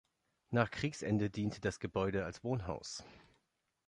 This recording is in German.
Nach Kriegsende diente das Gebäude als Wohnhaus.